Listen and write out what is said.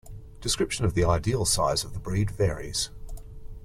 Description of the ideal size of the breed varies.